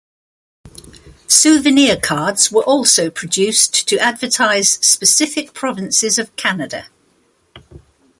Souvenir cards were also produced to advertise specific provinces of Canada.